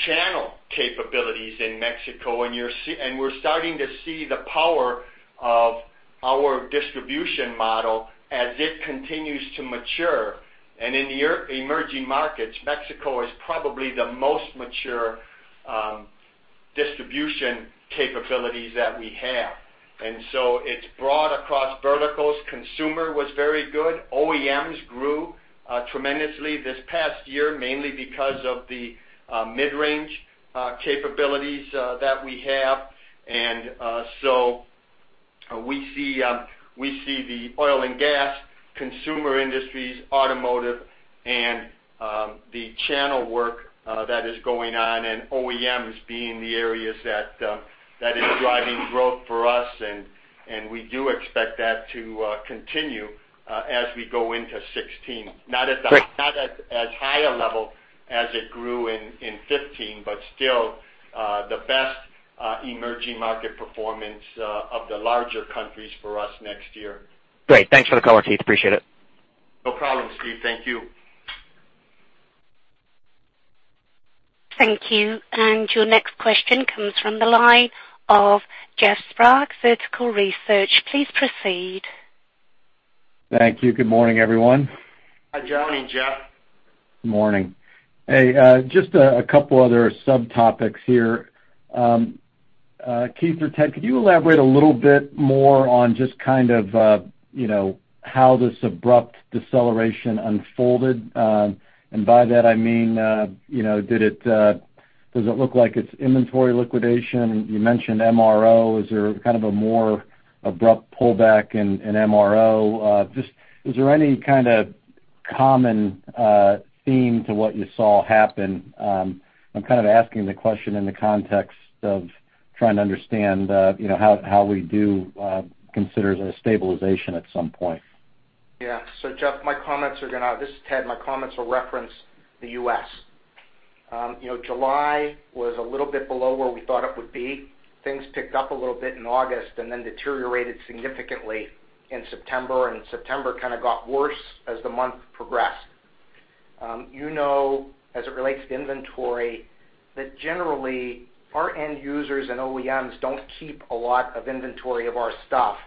Speaker 3: channel capabilities in Mexico, and we're starting to see the power of our distribution model as it continues to mature. In the emerging markets, Mexico is probably the most mature distribution capabilities that we have. So it's broad across verticals. Consumer was very good. OEMs grew tremendously this past year, mainly because of the mid-range capabilities that we have. We see the oil and gas, consumer industries, automotive, and the channel work that is going on, and OEMs being the areas that is driving growth for us. We do expect that to continue as we go into 2016. Not at as high a level as it grew in 2015, but still the best emerging market performance of the larger countries for us next year.
Speaker 7: Great. Thanks for the color, Keith. Appreciate it.
Speaker 3: No problem, Steve. Thank you.
Speaker 1: Thank you. Your next question comes from the line of Jeff Sprague, Vertical Research. Please proceed.
Speaker 8: Thank you. Good morning, everyone.
Speaker 3: Hi, Jeff. Good morning, Jeff.
Speaker 8: Good morning. Hey, just a couple other subtopics here. Keith or Ted, could you elaborate a little bit more on just kind of how this abrupt deceleration unfolded? By that I mean, does it look like it's inventory liquidation? You mentioned MRO. Is there kind of a more abrupt pullback in MRO? Just, is there any kind of common theme to what you saw happen? I'm kind of asking the question in the context of trying to understand how we do consider the stabilization at some point.
Speaker 4: Yeah. Jeff, this is Ted. My comments will reference the U.S. July was a little bit below where we thought it would be. Things picked up a little bit in August and then deteriorated significantly in September, and September kind of got worse as the month progressed. You know, as it relates to inventory, that generally our end users and OEMs don't keep a lot of inventory of our stuff,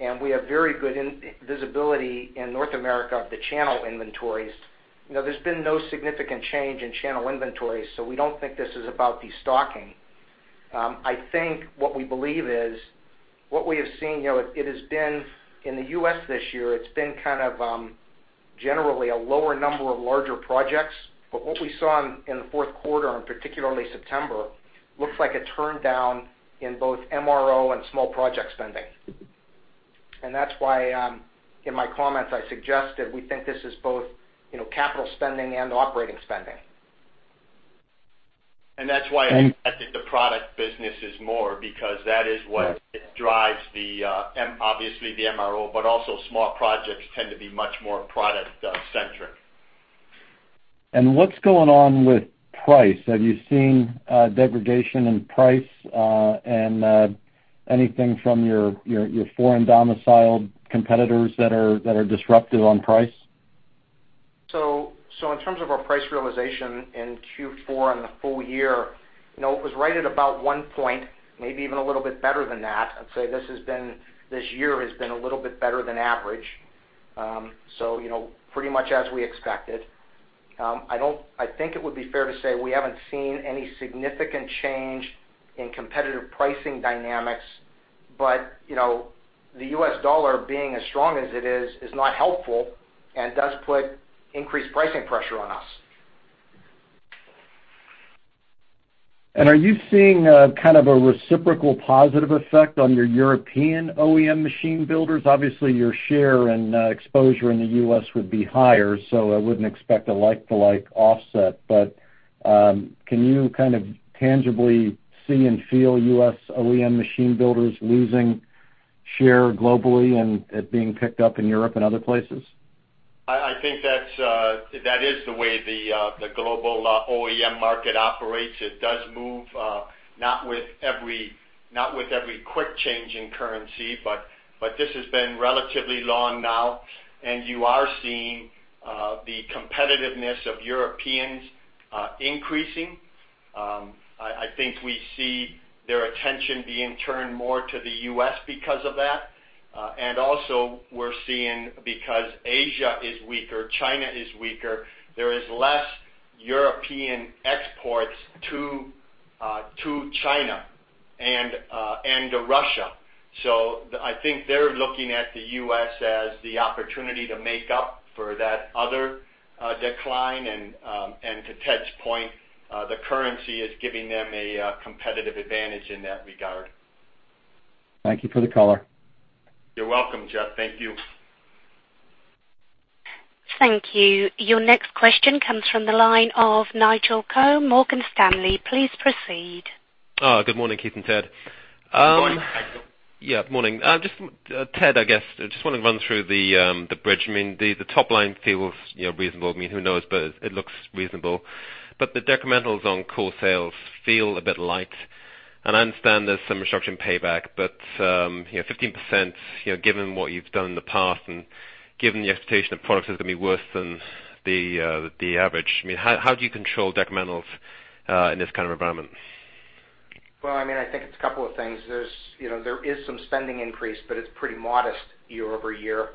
Speaker 4: and we have very good visibility in North America of the channel inventories. There's been no significant change in channel inventories, we don't think this is about destocking. I think what we believe is, what we have seen, it has been in the U.S. this year, it's been kind of generally a lower number of larger projects. What we saw in the fourth quarter, and particularly September, looks like a turndown in both MRO and small project spending. That's why, in my comments, I suggested we think this is both capital spending and operating spending.
Speaker 3: That's why I think the product business is more, because that is what drives, obviously, the MRO, also small projects tend to be much more product-centric.
Speaker 8: What's going on with price? Have you seen degradation in price and anything from your foreign domiciled competitors that are disruptive on price?
Speaker 4: In terms of our price realization in Q4 and the full year, it was right at about 1 point, maybe even a little bit better than that. I'd say this year has been a little bit better than average. Pretty much as we expected. I think it would be fair to say we haven't seen any significant change in competitive pricing dynamics. The US dollar being as strong as it is not helpful and does put increased pricing pressure on us.
Speaker 8: Are you seeing kind of a reciprocal positive effect on your European OEM machine builders? Obviously, your share and exposure in the U.S. would be higher, so I wouldn't expect a like-to-like offset. Can you kind of tangibly see and feel U.S. OEM machine builders losing share globally and it being picked up in Europe and other places?
Speaker 3: I think that is the way the global OEM market operates. It does move, not with every quick change in currency, but this has been relatively long now, and you are seeing the competitiveness of Europeans increasing. I think we see their attention being turned more to the U.S. because of that. Also we're seeing because Asia is weaker, China is weaker, there is less European exports to China and to Russia. I think they're looking at the U.S. as the opportunity to make up for that other decline and, to Ted's point, the currency is giving them a competitive advantage in that regard.
Speaker 8: Thank you for the color.
Speaker 3: You're welcome, Jeff. Thank you.
Speaker 1: Thank you. Your next question comes from the line of Nigel Coe, Morgan Stanley. Please proceed.
Speaker 9: Good morning, Keith and Ted.
Speaker 3: Good morning, Nigel.
Speaker 9: Yeah, good morning. Ted, I guess, I just wanted to run through the bridge. The top line feels reasonable. Who knows? It looks reasonable. The decrementals on core sales feel a bit light. I understand there's some restructuring payback, but 15%, given what you've done in the past and given the expectation that products is going to be worse than the average, how do you control decrementals in this kind of environment?
Speaker 4: I think it's a couple of things. There is some spending increase, but it's pretty modest year-over-year.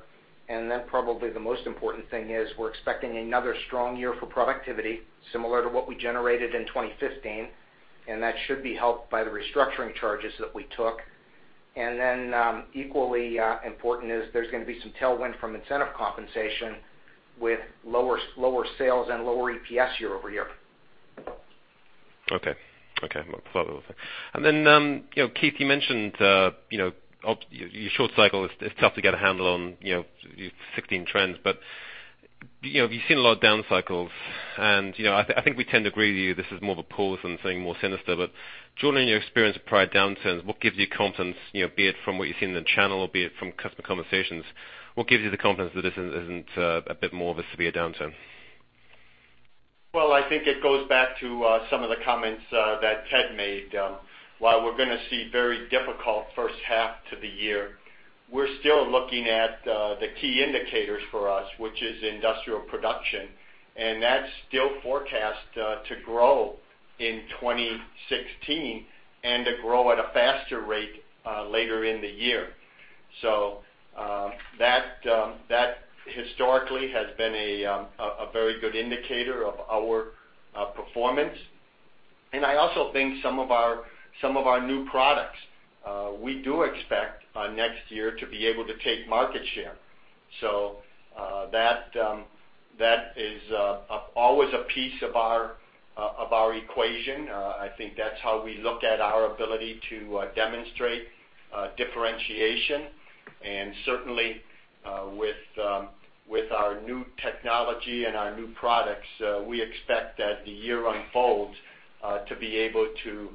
Speaker 4: Probably the most important thing is we're expecting another strong year for productivity, similar to what we generated in 2015, and that should be helped by the restructuring charges that we took. Equally important is there's going to be some tailwind from incentive compensation with lower sales and lower EPS year-over-year.
Speaker 9: Okay. Keith, you mentioned your short cycle, it's tough to get a handle on your 2016 trends. You've seen a lot of down cycles, and I think we tend to agree with you, this is more of a pause than saying more sinister. Drawing on your experience of prior downturns, what gives you confidence, be it from what you've seen in the channel or be it from customer conversations, what gives you the confidence that this isn't a bit more of a severe downturn?
Speaker 3: I think it goes back to some of the comments that Ted made. While we're going to see very difficult first half to the year, we're still looking at the key indicators for us, which is industrial production, and that's still forecast to grow in 2016 and to grow at a faster rate later in the year. That historically has been a very good indicator of our performance. I also think some of our new products, we do expect next year to be able to take market share. That is always a piece of our equation. I think that's how we look at our ability to demonstrate differentiation. Certainly, with our new technology and our new products, we expect that the year unfolds, to be able to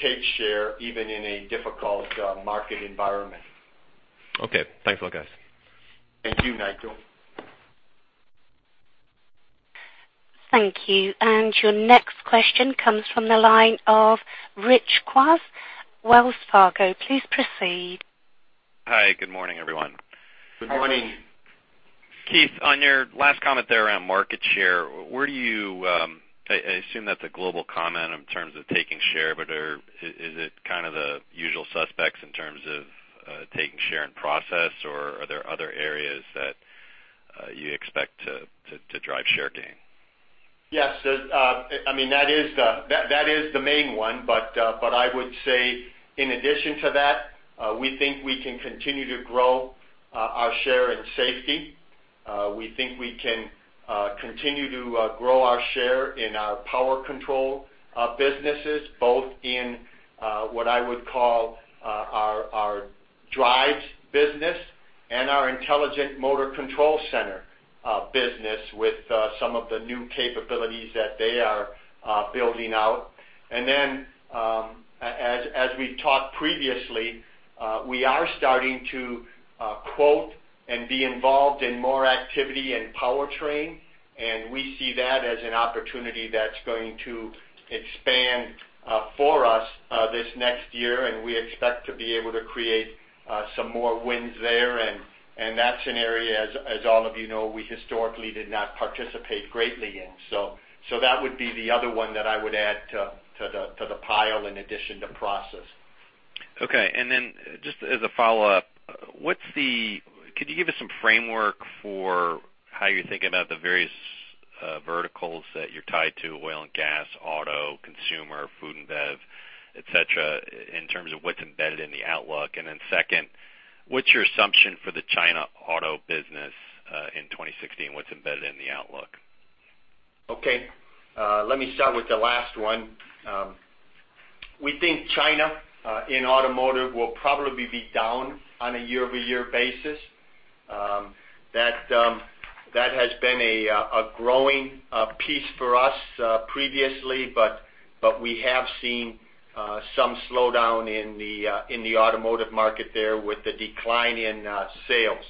Speaker 3: take share even in a difficult market environment.
Speaker 9: Okay. Thanks a lot, guys.
Speaker 3: Thank you, Nigel.
Speaker 1: Thank you. Your next question comes from the line of Rich Kwas, Wells Fargo. Please proceed.
Speaker 10: Hi, good morning, everyone.
Speaker 3: Good morning.
Speaker 10: Keith, on your last comment there around market share, I assume that's a global comment in terms of taking share, but is it kind of the usual suspects in terms of taking share and process, or are there other areas that you expect to drive share gain?
Speaker 3: Yes. That is the main one. I would say in addition to that, we think we can continue to grow our share in safety. We think we can continue to grow our share in our Power Control businesses, both in what I would call our drives business and our Intelligent Motor Control Center business with some of the new capabilities that they are building out. As we talked previously, we are starting to quote and be involved in more activity in powertrain, and we see that as an opportunity that's going to expand for us this next year, and we expect to be able to create some more wins there. That's an area, as all of you know, we historically did not participate greatly in. That would be the other one that I would add to the pile in addition to process.
Speaker 10: Okay. Just as a follow-up, could you give us some framework for how you're thinking about the various verticals that you're tied to, oil and gas, auto, consumer, food and bev, et cetera, in terms of what's embedded in the outlook? Second, what's your assumption for the China auto business in 2016? What's embedded in the outlook?
Speaker 3: Let me start with the last one. We think China in automotive will probably be down on a year-over-year basis. That has been a growing piece for us previously, but we have seen some slowdown in the automotive market there with the decline in sales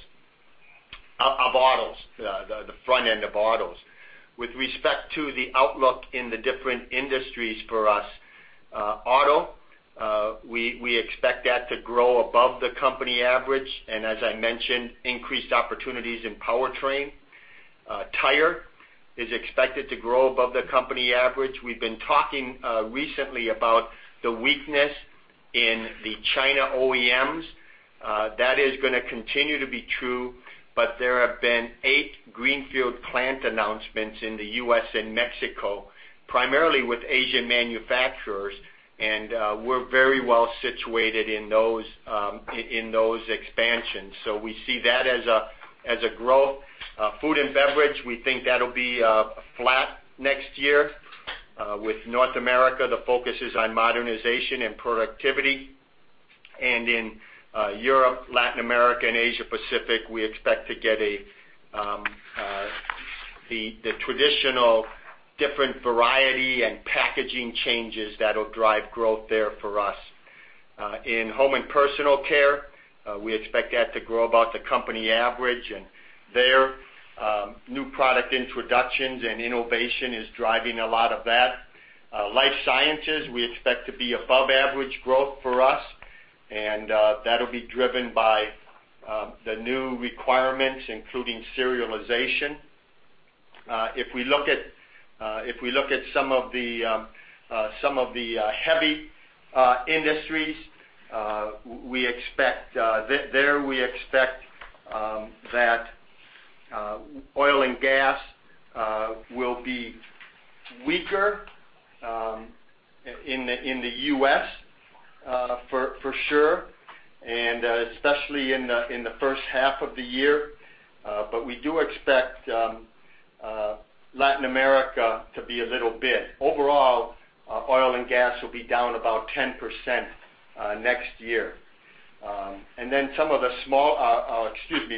Speaker 3: of autos, the front end of autos. With respect to the outlook in the different industries for us, auto, we expect that to grow above the company average, and as I mentioned, increased opportunities in powertrain. Tire is expected to grow above the company average. We've been talking recently about the weakness in the China OEMs. That is going to continue to be true, but there have been 8 greenfield plant announcements in the U.S. and Mexico, primarily with Asian manufacturers, and we're very well situated in those expansions. We see that as a growth. Food and beverage, we think that'll be flat next year. With North America, the focus is on modernization and productivity. In Europe, Latin America, and Asia-Pacific, we expect to get the traditional different variety and packaging changes that'll drive growth there for us. In Home and Personal Care, we expect that to grow above the company average. There, new product introductions and innovation is driving a lot of that. Life Sciences, we expect to be above average growth for us, and that'll be driven by the new requirements, including serialization. If we look at some of the heavy industries, there we expect that oil and gas will be weaker in the U.S. for sure, and especially in the first half of the year. We do expect Latin America to be a little bit. Overall, oil and gas will be down about 10% next year.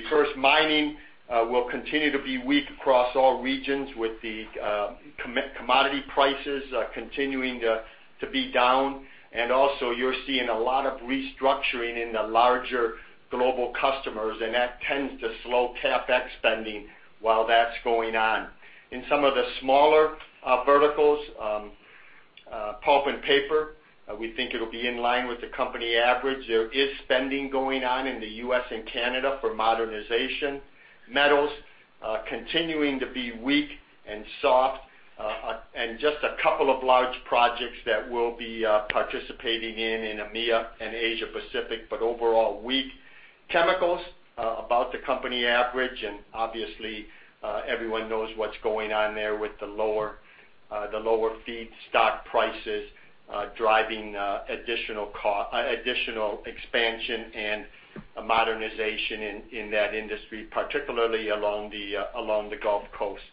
Speaker 3: First, mining will continue to be weak across all regions with the commodity prices continuing to be down. Also, you're seeing a lot of restructuring in the larger global customers, and that tends to slow CapEx spending while that's going on. In some of the smaller verticals, Pulp and Paper, we think it'll be in line with the company average. There is spending going on in the U.S. and Canada for modernization. Metals continuing to be weak and soft, just a couple of large projects that we'll be participating in in EMEA and Asia-Pacific, but overall weak. Chemicals, about the company average, obviously, everyone knows what's going on there with the lower feedstock prices driving additional expansion and modernization in that industry, particularly along the Gulf Coast.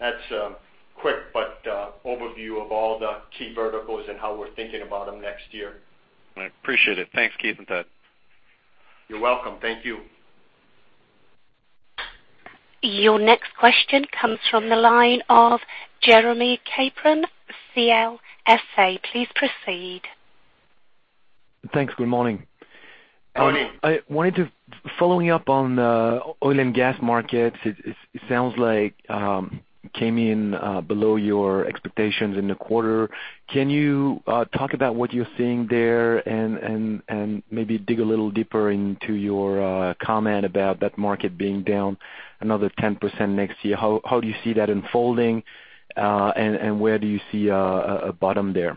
Speaker 3: That's a quick overview of all the key verticals and how we're thinking about them next year.
Speaker 10: I appreciate it. Thanks, Keith and Ted.
Speaker 3: You're welcome. Thank you.
Speaker 1: Your next question comes from the line of Jeremie Capron, CLSA. Please proceed.
Speaker 11: Thanks. Good morning.
Speaker 3: Good morning.
Speaker 11: Following up on the oil and gas markets, it sounds like it came in below your expectations in the quarter. Can you talk about what you're seeing there and maybe dig a little deeper into your comment about that market being down another 10% next year? How do you see that unfolding, and where do you see a bottom there?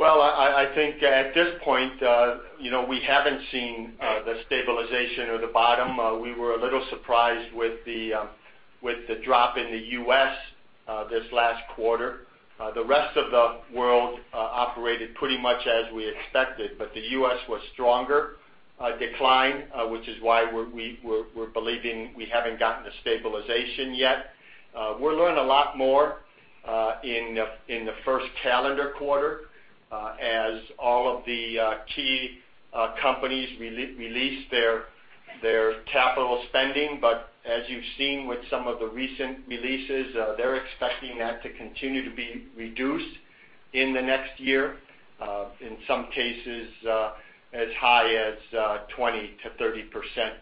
Speaker 3: I think at this point, we haven't seen the stabilization or the bottom. We were a little surprised with the drop in the U.S. this last quarter. The rest of the world operated pretty much as we expected, but the U.S. was stronger decline, which is why we're believing we haven't gotten the stabilization yet. We'll learn a lot more in the first calendar quarter as all of the key companies release their capital spending. As you've seen with some of the recent releases, they're expecting that to continue to be reduced in the next year, in some cases, as high as 20%-30%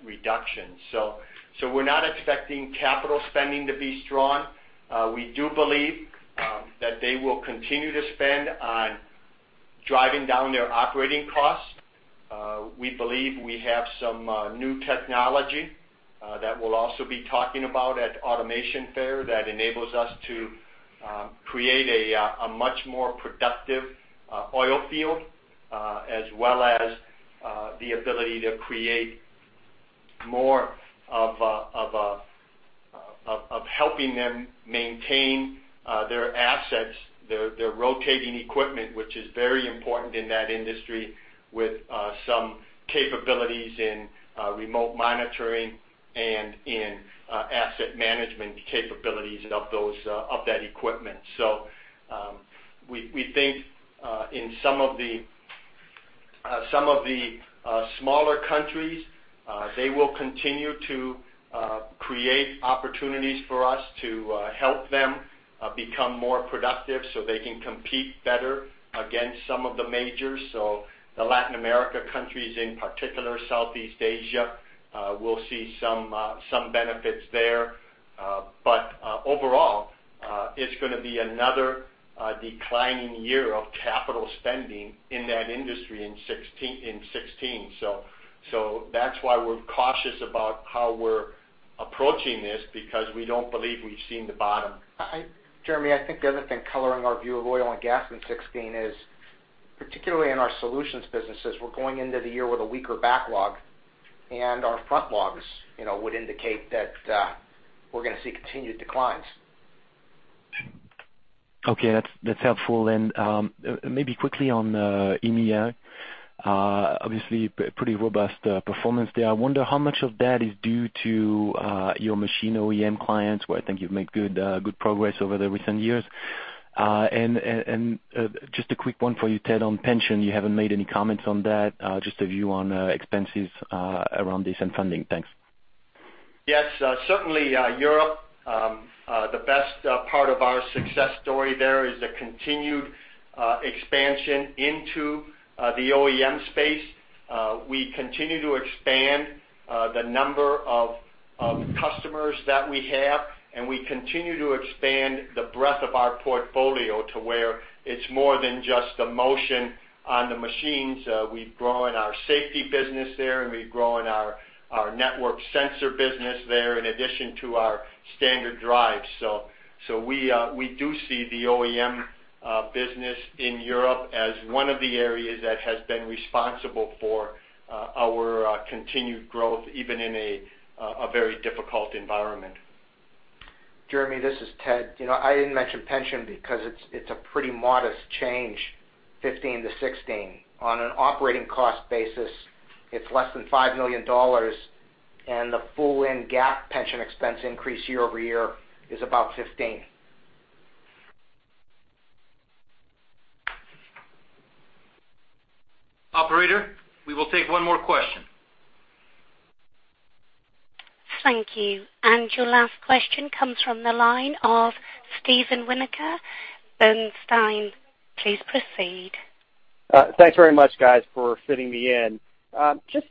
Speaker 3: reduction. We're not expecting capital spending to be strong. We do believe that they will continue to spend on driving down their operating costs. We believe we have some new technology that we'll also be talking about at Automation Fair that enables us to create a much more productive oil field, as well as the ability to create more of helping them maintain their assets, their rotating equipment, which is very important in that industry, with some capabilities in remote monitoring and in asset management capabilities of that equipment. We think in some of the smaller countries, they will continue to create opportunities for us to help them become more productive so they can compete better against some of the majors. The Latin America countries in particular, Southeast Asia, we'll see some benefits there. Overall, it's going to be another declining year of capital spending in that industry in 2016. That's why we're cautious about how we're approaching this, because we don't believe we've seen the bottom.
Speaker 4: Jeremie, I think the other thing coloring our view of oil and gas in 2016 is, particularly in our solutions businesses, we're going into the year with a weaker backlog, and our frontlogs would indicate that we're going to see continued declines.
Speaker 11: Okay, that's helpful. Maybe quickly on EMEA, obviously pretty robust performance there. I wonder how much of that is due to your machine OEM clients, where I think you've made good progress over the recent years. Just a quick one for you, Ted, on pension. You haven't made any comments on that. Just a view on expenses around this and funding. Thanks.
Speaker 3: Yes. Certainly, Europe, the best part of our success story there is the continued expansion into the OEM space. We continue to expand the number of customers that we have. We continue to expand the breadth of our portfolio to where it's more than just the motion on the machines. We've grown our safety business there. We've grown our network sensor business there in addition to our standard drives. We do see the OEM business in Europe as one of the areas that has been responsible for our continued growth, even in a very difficult environment.
Speaker 4: Jeremie, this is Ted. I didn't mention pension because it's a pretty modest change, 2015 to 2016. On an operating cost basis, it's less than $5 million. The full GAAP pension expense increase year over year is about $15 million.
Speaker 3: Operator, we will take one more question.
Speaker 1: Thank you. Your last question comes from the line of Steven Winoker, Bernstein. Please proceed.
Speaker 12: Thanks very much, guys, for fitting me in. Just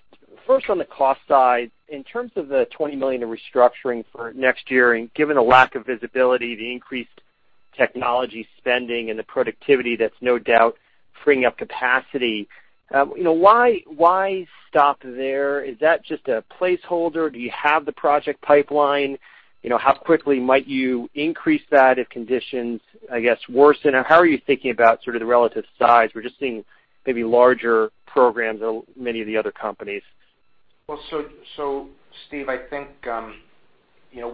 Speaker 12: first on the cost side, in terms of the $20 million in restructuring for next year, given the lack of visibility, the increased technology spending, and the productivity that's no doubt freeing up capacity, why stop there? Is that just a placeholder? Do you have the project pipeline? How quickly might you increase that if conditions, I guess, worsen? How are you thinking about sort of the relative size? We're just seeing maybe larger programs than many of the other companies.
Speaker 4: Steve, I think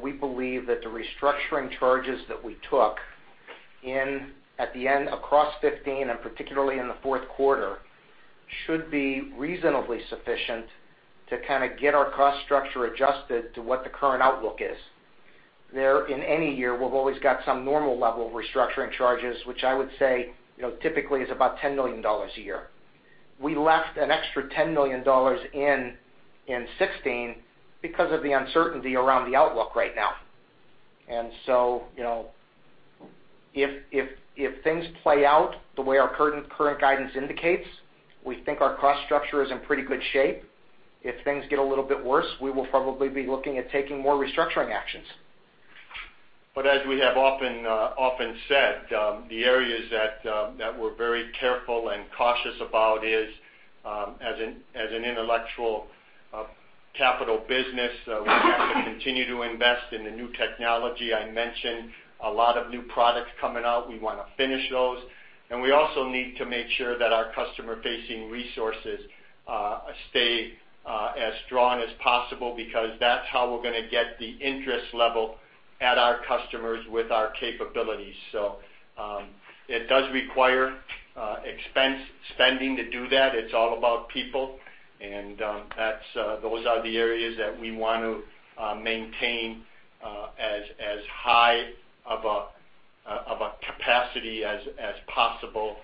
Speaker 4: we believe that the restructuring charges that we took in at the end across 2015 and particularly in the fourth quarter, should be reasonably sufficient to kind of get our cost structure adjusted to what the current outlook is. There, in any year, we've always got some normal level of restructuring charges, which I would say typically is about $10 million a year. We left an extra $10 million in 2016 because of the uncertainty around the outlook right now. If things play out the way our current guidance indicates, we think our cost structure is in pretty good shape. If things get a little bit worse, we will probably be looking at taking more restructuring actions.
Speaker 3: As we have often said, the areas that we're very careful and cautious about is, as an intellectual capital business, we have to continue to invest in the new technology. I mentioned a lot of new products coming out. We want to finish those, and we also need to make sure that our customer-facing resources stay as strong as possible because that's how we're going to get the interest level at our customers with our capabilities. It does require expense spending to do that. It's all about people, those are the areas that we want to maintain as high of a capacity as possible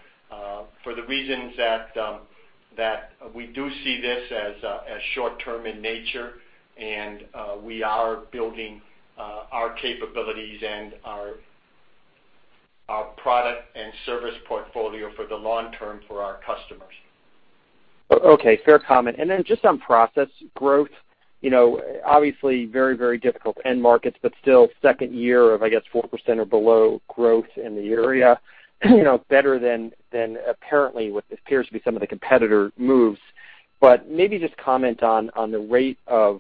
Speaker 3: for the reasons that we do see this as short-term in nature, and we are building our capabilities and our product and service portfolio for the long term for our customers.
Speaker 12: Okay. Fair comment. Just on process growth, obviously very difficult end markets, but still second year of, I guess, 4% or below growth in the area. Better than apparently what appears to be some of the competitor moves. Maybe just comment on the rate of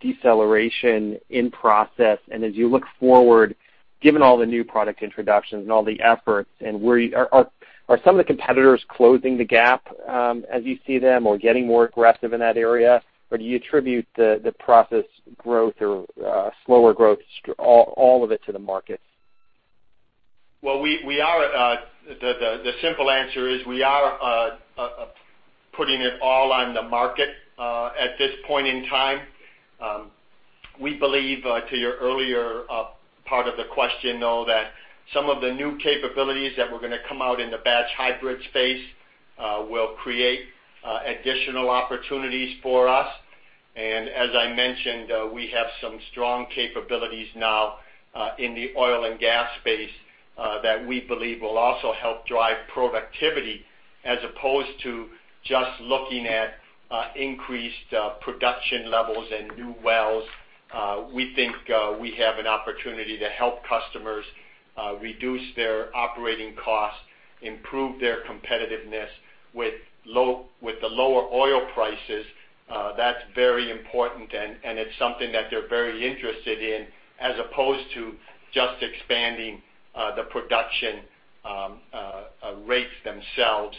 Speaker 12: deceleration in process, and as you look forward, given all the new product introductions and all the efforts, are some of the competitors closing the gap as you see them or getting more aggressive in that area? Or do you attribute the process growth or slower growth, all of it to the markets?
Speaker 3: Well, the simple answer is we are putting it all on the market at this point in time. We believe, to your earlier part of the question, though, that some of the new capabilities that were going to come out in the batch hybrid space will create additional opportunities for us. As I mentioned, we have some strong capabilities now in the oil and gas space that we believe will also help drive productivity as opposed to just looking at increased production levels and new wells. We think we have an opportunity to help customers reduce their operating costs, improve their competitiveness with the lower oil prices. That's very important, and it's something that they're very interested in, as opposed to just expanding the production rates themselves.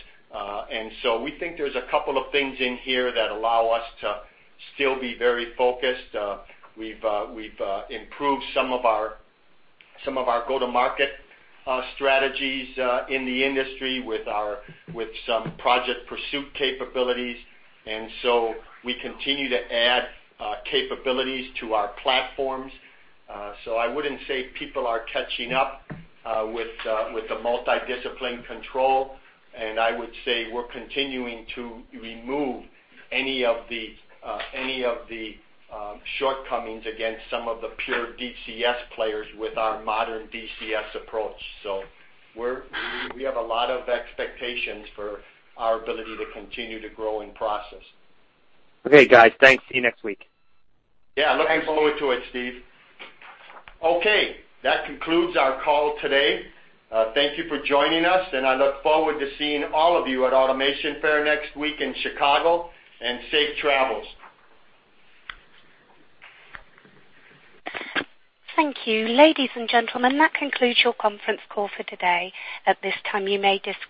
Speaker 3: We think there's a couple of things in here that allow us to still be very focused. We've improved some of our go-to-market strategies in the industry with some project pursuit capabilities. We continue to add capabilities to our platforms. I wouldn't say people are catching up with the multi-discipline control, I would say we're continuing to remove any of the shortcomings against some of the pure DCS players with our modern DCS approach. We have a lot of expectations for our ability to continue to grow in process.
Speaker 12: Okay, guys. Thanks. See you next week.
Speaker 3: Yeah. Looking forward to it, Steve. That concludes our call today. Thank you for joining us, and I look forward to seeing all of you at Automation Fair next week in Chicago, and safe travels.
Speaker 1: Thank you. Ladies and gentlemen, that concludes your conference call for today. At this time, you may disconnect.